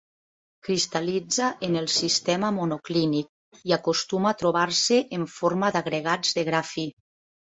Cristal·litza en el sistema monoclínic, i acostuma a trobar-se en forma d'agregats de gra fi.